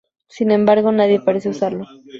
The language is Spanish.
Sin embargo, nadie parece usarlo.